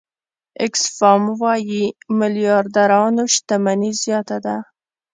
آکسفام وايي میلیاردرانو شتمني زیاته ده.